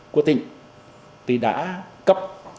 của tỉnh thì đã cấp